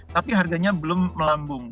tapi harganya belum melambung